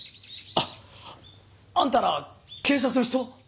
あっ！？あんたら警察の人？